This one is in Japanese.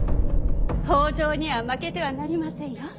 北条には負けてはなりませんよ。